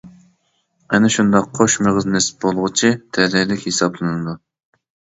ئەنە شۇنداق قوش مېغىز نېسىپ بولغۇچى «تەلەيلىك» ھېسابلىنىدۇ.